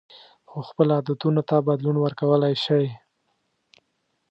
خو خپلو عادتونو ته بدلون ورکولی شئ.